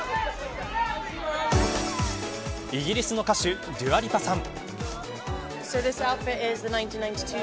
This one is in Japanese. イギリスの歌手デュア・リパさん。